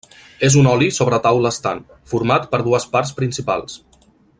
És un oli sobre taula estant, format per dues parts principals.